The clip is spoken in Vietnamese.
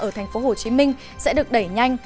ở tp hcm sẽ được đẩy nhanh